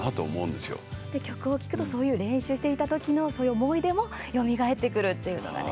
で、曲を聴くとそういう練習していた時のそういう思い出もよみがえってくるっていうのがね